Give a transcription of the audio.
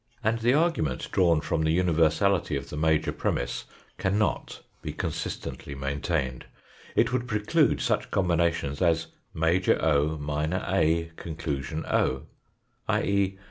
And the argument drawn from the universality of the major premiss cannot be consistently maintained. It would preclude such combinations as major o, minor A, conclusion o i.e.